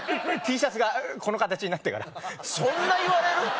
Ｔシャツがこの形になってからそんな言われる？